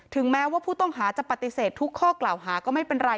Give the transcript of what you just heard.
แม้ว่าผู้ต้องหาจะปฏิเสธทุกข้อกล่าวหาก็ไม่เป็นไร